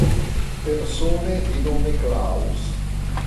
Persone di nome Klaus